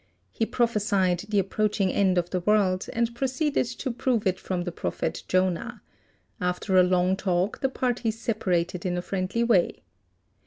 He prophesied the approaching end of the world and proceeded to prove it from the prophet Jonah. After a long talk the parties separated in a friendly way.